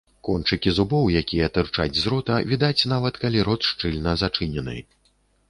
Кончыкі зубоў, якія тырчаць з рота, відаць нават калі рот шчыльна зачынены.